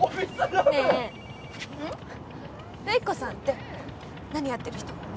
瑠衣子さんって何やってる人？